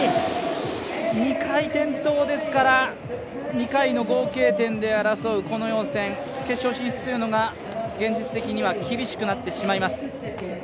２回転倒ですから２回の合計点で争う、この予選決勝進出というのが現実的には厳しくなってきてしまいます。